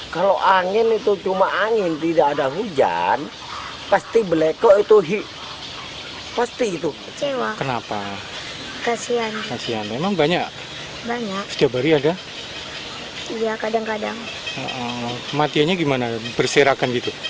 kematiannya gimana berserakan gitu